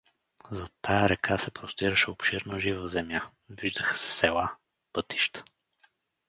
Зад тая река се простираше обширна жива земя, виждаха се села, пътища.